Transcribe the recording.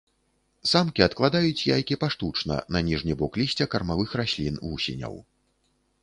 Самкі адкладаюць яйкі паштучна на ніжні бок лісця кармавых раслін вусеняў.